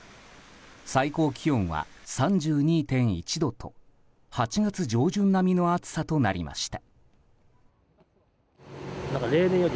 最高気温は３２．１度と８月上旬並みの暑さとなりました。